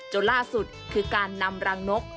จนล่าสุดคือการนำรังนก